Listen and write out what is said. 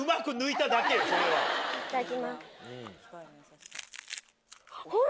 いただきます。